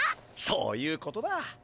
そういうことだ。